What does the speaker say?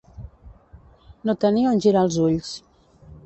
No tenir on girar els ulls.